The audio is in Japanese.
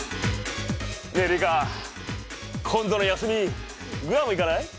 ねえリカ今度の休みグアム行かない？